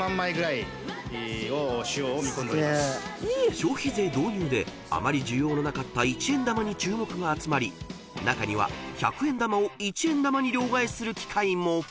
［消費税導入であまり需要のなかった一円玉に注目が集まり中には百円玉を一円玉に両替する機械も］